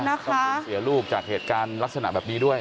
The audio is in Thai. สูญเสียลูกจากเหตุการณ์ลักษณะแบบนี้ด้วย